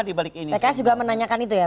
di balik ini pks juga menanyakan itu ya